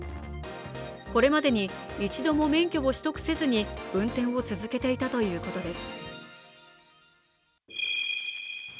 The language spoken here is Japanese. これまでに、一度も免許を取得せずに運転を続けていたということです。